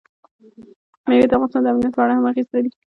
مېوې د افغانستان د امنیت په اړه هم اغېز لري.